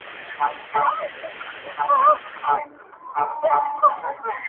چي یې زړه شي په هغه اور کي سوځېږم-